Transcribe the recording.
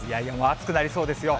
暑くなりそうですよ。